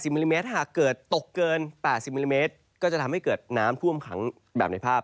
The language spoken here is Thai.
มิลลิเมตรหากเกิดตกเกิน๘๐มิลลิเมตรก็จะทำให้เกิดน้ำท่วมขังแบบในภาพ